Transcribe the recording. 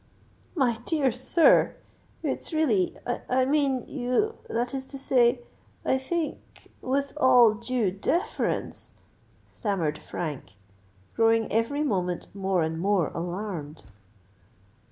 "My dear sir—it's really—I mean, you—that is to say, I think, with all due deference——" stammered Frank, growing every moment more and more alarmed.